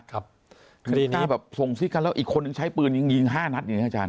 ขณะนี้แบบส่งซิ้นแล้วอีกคนใช้ปืนยังยิงห้านัดอย่างนี้นะอาจารย์